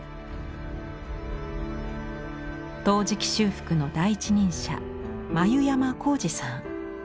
陶磁器修復の第一人者繭山浩司さん。